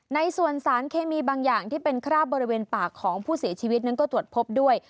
ในส่วนสารเคมีบางอย่างที่เป็นคราบบริเวณปากของผู้เสียชีวิตนั้นก็ตรวจพบด้วย